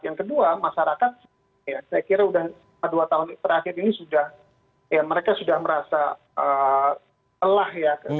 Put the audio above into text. yang kedua masyarakat saya kira sudah dua tahun terakhir ini mereka sudah merasa telah